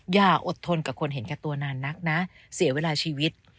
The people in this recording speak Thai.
อย่าอดทนกับคนเห็นแก่ตัวนานนักนะเสียเวลาชีวิต